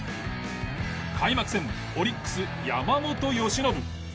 開幕戦オリックス山本由伸。